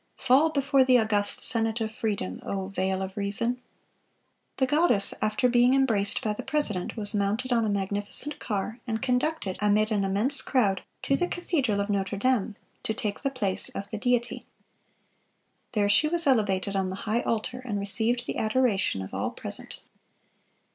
Fall before the august Senate of Freedom, oh! Veil of Reason!... "The goddess, after being embraced by the president, was mounted on a magnificent car, and conducted, amid an immense crowd, to the cathedral of Notre Dame, to take the place of the Deity. There she was elevated on the high altar, and received the adoration of all present."